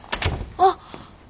あっ。